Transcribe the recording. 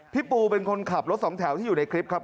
พี่ปูเป็นคนขับรถสองแถวที่อยู่ในคลิปครับ